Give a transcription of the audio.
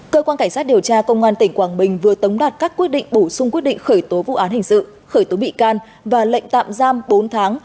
cơ quan cảnh sát điều tra công an tỉnh quảng bình vừa tống đạt các quyết định bổ sung quyết định khởi tố vụ án hình sự khởi tố bị can và lệnh tạm giam bốn tháng